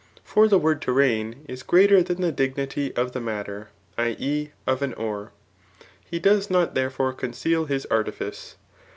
For the Word to reign is greater than the dignity of the master [i. e. of an oar.] He does not therefore conceal his artifice.